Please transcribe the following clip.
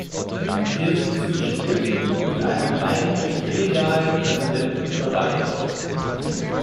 Wir sind zu Gesprächen mit einem eigentlich illegalen Präsidenten bereit.